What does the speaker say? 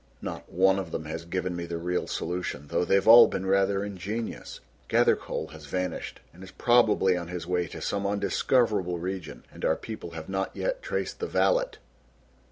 Not one of them has given me the real solution, though they've all been rather ingenious. Gathercole has vanished and is probably on his way to some undiscoverable region, and our people have not yet traced the valet."